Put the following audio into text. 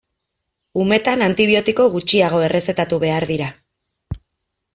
Umetan antibiotiko gutxiago errezetatu behar dira.